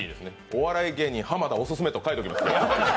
お笑い芸人・浜田オススメと書いときますね。